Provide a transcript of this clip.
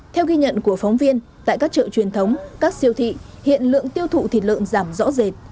theo ghi nhận của phóng viên tại các chợ truyền thống các siêu thị hiện lượng tiêu thụ thịt lợn giảm rõ rệt